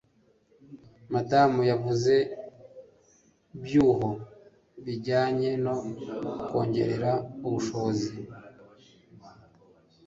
Madamu yavuze byuho bijyanye no kongerera ubushobozi